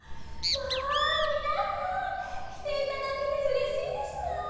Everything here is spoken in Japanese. まあみなさんきていただけてうれしいですわ。